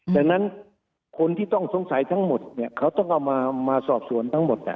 ดังนั้นคนที่ต้องสงสัยทั้งหมดเขาต้องเอามาสอบสวนทั้งหมด